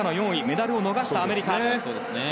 メダルを逃したアメリカ。